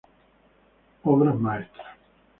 Obras maestras".